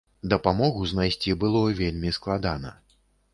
Дапамогу знайсці было вельмі складана.